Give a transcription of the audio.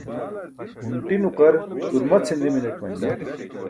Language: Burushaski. hunṭi nuqar turma chindi mineṭ manila